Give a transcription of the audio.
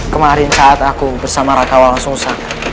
kemarin saat aku bersama raka walang sungsar